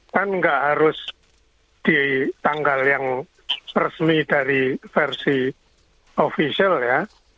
kan nggak harus di tanggal yang resmi dari versi official ya